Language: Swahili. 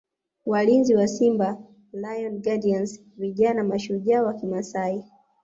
Walinzi wa Simba Lion Guardians vijana mashujaa wa Kimasai